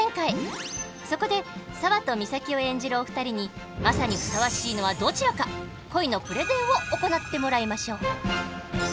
そこで沙和と美咲を演じるお二人にマサにふさわしいのはどちらか恋のプレゼンを行ってもらいましょう！